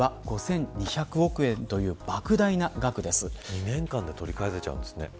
２年間で取り返せちゃうんですね。